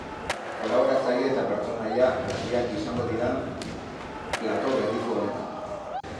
Kolaboratzaile eta pertsonaia berriak izango dira plato berritu honetan.